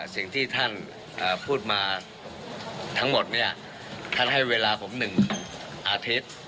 สิ่งที่ท่านพูดมาทั้งหมดเนี่ยท่านให้เวลาผม๑อาทิตย์